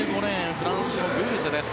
フランスのグルセです。